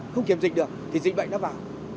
không kiểm dịch được thì dịch bệnh nó vào